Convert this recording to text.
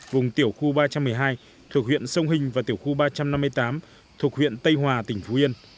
vùng tiểu khu ba trăm một mươi hai thuộc huyện sông hình và tiểu khu ba trăm năm mươi tám thuộc huyện tây hòa tỉnh phú yên